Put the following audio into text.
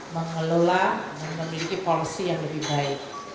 mengelola dan memiliki polisi yang lebih baik